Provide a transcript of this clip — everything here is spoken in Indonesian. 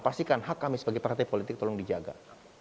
pastikan hak kami sebagai partai politik tolong dijaga